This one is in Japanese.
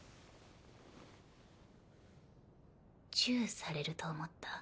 チューされると思った？